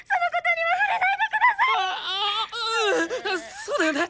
そうだよね！